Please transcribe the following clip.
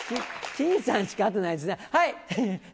金さんしか合ってないですね。